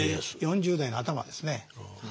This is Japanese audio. ４０代の頭ですねええ。